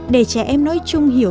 để trẻ em nói chung hiểu